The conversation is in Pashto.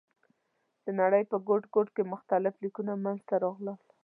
د نړۍ په ګوټ ګوټ کې مختلف لیکونه منځ ته راغلل.